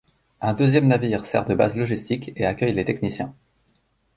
Un deuxième navire sert de base logistique et accueille les techniciens.